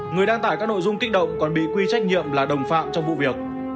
người đăng tải các nội dung kích động còn bị quy trách nhiệm là đồng phạm trong vụ việc